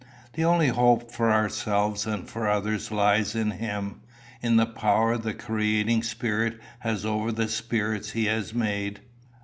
The only hope for ourselves and for others lies in him in the power the creating spirit has over the spirits he has made."